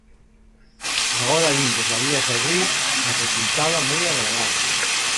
Agora vin que sabía sorrir, e resultaba moi agradable.